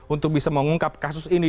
untuk bisa mengungkap kasus ini